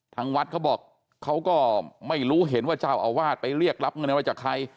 ทางวัดเขาบอกเขาก็ไม่รู้เห็นว่าเจ้าอาวาสไปเรียกรับเงินอะไรจากใคร